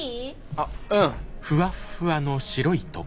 あっうん。